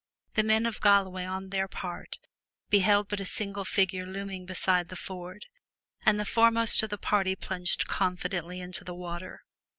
The men of Galloway on their part, beheld but a single figure looming beside the ford, and the foremost of the party plunged confidently into the water.